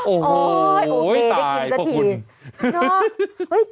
โอ้โฮ้ตายพระคุณโอ้โฮ้ได้กินสักที